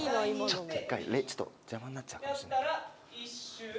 ちょっと１回ねちょっと邪魔になっちゃうかもしんない。